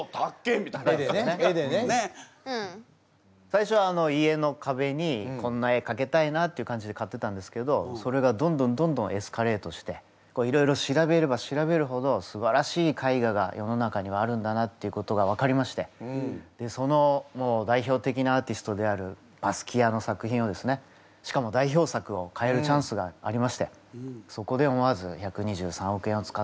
最初は家のかべにこんな絵かけたいなっていう感じで買ってたんですけどそれがどんどんどんどんエスカレートしていろいろ調べれば調べるほどすばらしい絵画が世の中にはあるんだなっていうことが分かりましてその代表的なアーティストであるバスキアの作品をですねしかも代表作を買えるチャンスがありましてそこで思わず１２３億円を使って買いました。